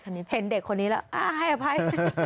เห็นเด็กคนนี้แล้วให้อภัย